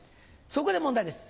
そこで問題です